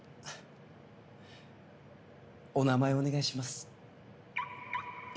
お名前をお願いします。